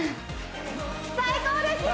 最高です！